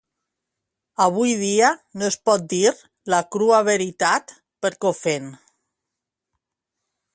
Avui dia no es pot dir la crua veritat perquè ofèn